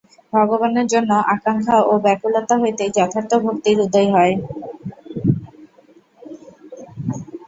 ভগবানের জন্য আকাঙ্ক্ষা ও ব্যাকুলতা হইতেই যথার্থ ভক্তির উদয় হয়।